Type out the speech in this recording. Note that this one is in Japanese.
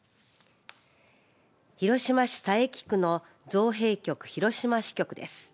広島市佐伯区の造幣局広島支局です。